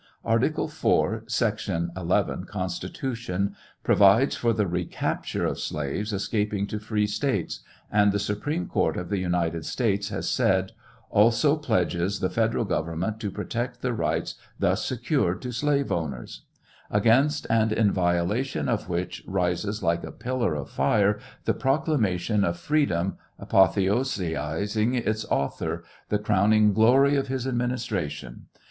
Art. IV, Sec. 11, Const., provides for the recapture of slaves escaping to fre States, and the Supreme Court of the United States has said, also pledges th federal government to protect the rights thus secured to slave owners : agains and in violation of which rises like a pillar of fire the proclamation of freedom apotheosizing its author — the crowning glory of his administration.